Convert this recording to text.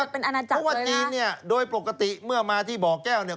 เพราะว่าจีนเนี่ยโดยปกติเมื่อมาที่บ่อแก้วเนี่ย